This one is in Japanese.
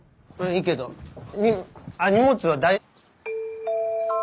いいけどに荷物は大。